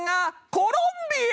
コロンビア！